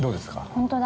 ◆本当だ。